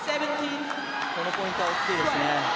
このポイントは大きいですね。